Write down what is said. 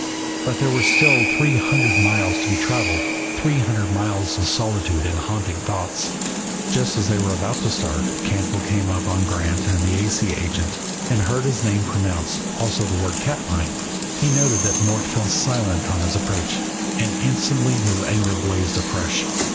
But there were still three hundred miles to be traveled, three hundred miles of solitude and haunting thoughts. Just as they were about to start, Cantwell came upon Grant and the A. C. agent, and heard his name pronounced, also the word "Katmai." He noted that Mort fell silent at his approach, and instantly his anger blazed afresh.